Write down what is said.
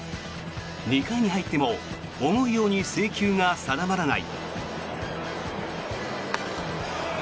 ２回に入っても思うように制球が定まらない。